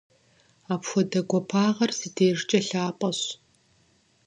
Апхуэдэ гуапагъэр си дежкӀэ лъапӀэщ.